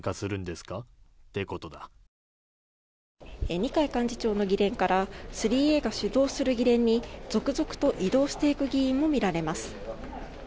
二階幹事長の議連から３Ａが主導する議連に続々と移動していく議員も見られます。